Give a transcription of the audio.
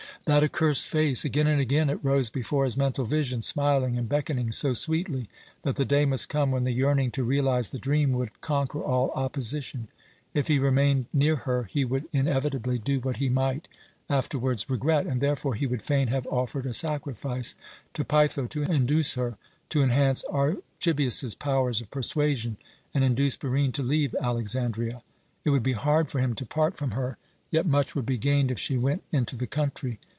That accursed face! Again and again it rose before his mental vision, smiling and beckoning so sweetly that the day must come when the yearning to realize the dream would conquer all opposition. If he remained near her he would inevitably do what he might afterwards regret, and therefore he would fain have offered a sacrifice to Peitho to induce her to enhance Archibius's powers of persuasion and induce Barine to leave Alexandria. It would be hard for him to part from her, yet much would be gained if she went into the country.